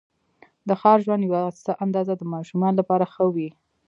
د ښار ژوند یوه څه اندازه د ماشومانو لپاره ښه وې.